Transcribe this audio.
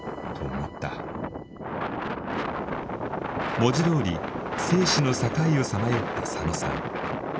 文字どおり生死の境をさまよった佐野さん。